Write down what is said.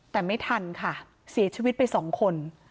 แต่ไม่ทันค่ะเสียชีวิตไปสองคน